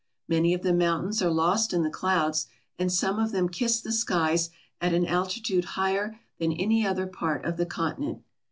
Many of the mountains are lost in the clouds and some of them kiss the skies at an altitude higher than any other part of the continent.